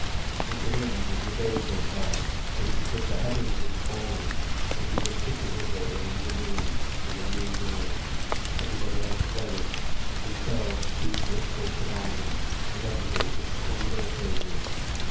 And to him, as the days went by, it was as if the heavens had fallen, and he were sitting with her among the ruins, in a new world, everybody else buried, themselves two blissful survivors, with everything to squander as they would.